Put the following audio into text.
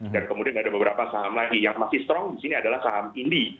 dan kemudian ada beberapa saham lagi yang masih strong disini adalah saham indy